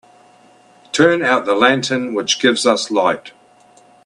Turn out the lantern which gives us light.